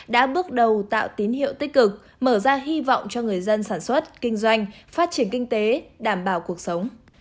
đã bước đầu tạo tín hiệu tích cực mở ra hy vọng cho người dân sản xuất kinh doanh phát triển kinh tế đảm bảo cuộc sống